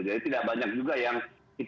jadi tidak banyak juga yang kita lakukan